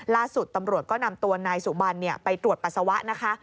ล่าสุดตำรวจก็นำตัวนายสุบันไปตรวจปัสสาวะนะคะ